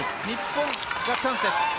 日本がチャンスです。